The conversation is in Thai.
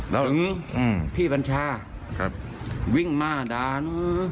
ถึงพี่บัญชาวิ่งมาด่าน